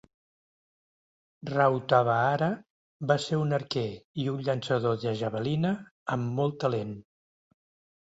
Rautavaara va ser un arquer i un llançador de javelina amb molt talent.